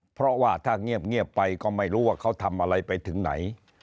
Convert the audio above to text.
เพราะว่าถ้าเงียบไปก็ไม่รู้ว่าเขาทำอะไรไปถึงไหน